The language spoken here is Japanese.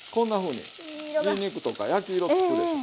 にんにくとか焼き色つくでしょ。